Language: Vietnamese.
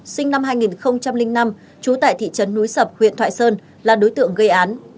sinh năm hai nghìn năm trú tại thị trấn núi sập huyện thoại sơn là đối tượng gây án